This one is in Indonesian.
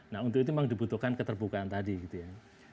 nah untuk itu memang dibutuhkan keterbukaan tadi gitu ya